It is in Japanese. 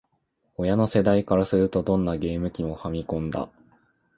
親の世代からすると、どんなゲーム機も「ファミコン」だ